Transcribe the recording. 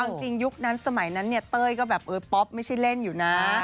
เอาจริงยุคนั้นสมัยนั้นเนี่ยเต้ยก็แบบเออป๊อปไม่ใช่เล่นอยู่นะ